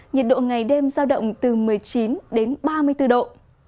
nhiệt độ ngày đêm giao động từ một mươi chín đến ba mươi bốn độ